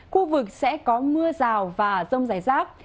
khu vực sẽ có mưa rào và rông rải rác